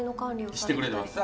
してくれる。